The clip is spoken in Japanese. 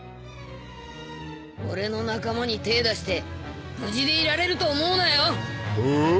俺の仲間に手ぇ出して無事でいられると思うなよお？